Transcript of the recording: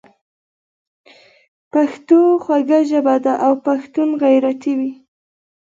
پښتو خوږه ژبه ده او پښتون غیرتي وي.